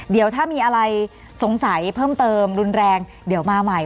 เดี๋ยวถ้ามีอะไรสงสัยเพิ่มเติมรุนแรงเดี๋ยวมาใหม่